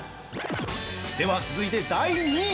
◆では続いて第２位！